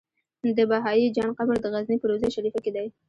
د بهايي جان قبر د غزنی په روضه شريفه کی دی